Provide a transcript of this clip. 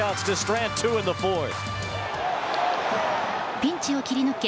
ピンチを切り抜け